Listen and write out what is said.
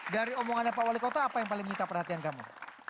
dari omongannya pak wali kota apa yang paling menyita perhatian kamu